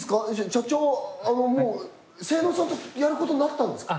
社長セイノーさんとやることになったんですか？